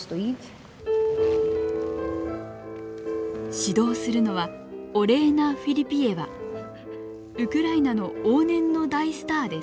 指導するのはウクライナの往年の大スターです。